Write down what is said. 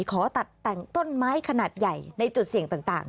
ขอตัดแต่งต้นไม้ขนาดใหญ่ในจุดเสี่ยงต่าง